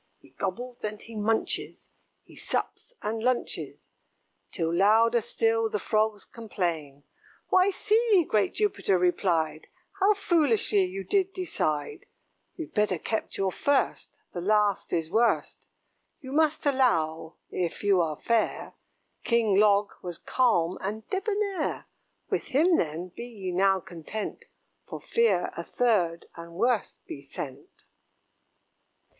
He gobbles and he munches, He sups and lunches; Till louder still the Frogs complain. "Why, see!" great Jupiter replied, "How foolishly you did decide. You'd better kept your first the last is worst. You must allow, if you are fair, King Log was calm and debonair: With him, then, be ye now content, For fear a third, and worse, be sent."